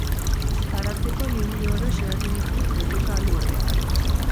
Baratzeko lili oro xehatu dizkit pottoka alu horrek.